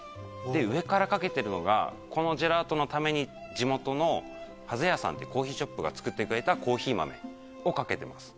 上からかけてるのがこのジェラートのために地元のはぜやさんってコーヒーショップが作ってくれたコーヒー豆をかけてます。